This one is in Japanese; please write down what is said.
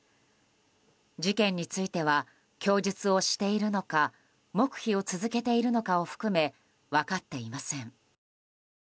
事件については供述をしているのか黙秘を続けているのかを含め分かっていません。